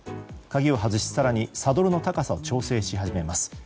鍵を外し、更にサドルの高さを調整し始めます。